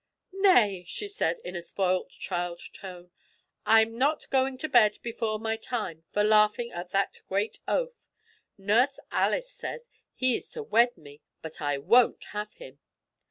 "Nay!" she said, in a spoilt child tone, "I'm not going to bed before my time for laughing at that great oaf! Nurse Alice says he is to wed me, but I won't have him!